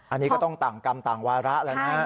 อันนี้ก็ต้องต่างกรรมต่างวาระแล้วนะ